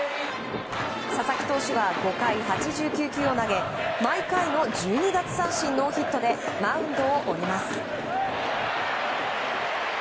佐々木投手は５回８９球を投げ毎回の１２奪三振ノーヒットでマウンドを降ります。